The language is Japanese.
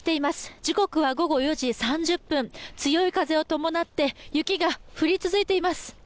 時刻は午後４時３０分強い風を伴って雪が降り続いています。